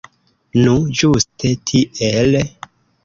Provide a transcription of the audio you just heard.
Nu, ĝuste tiel.